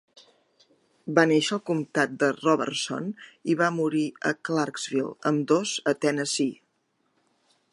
Va néixer al comtat de Robertson i va morir a Clarksville, ambdós a Tennessee.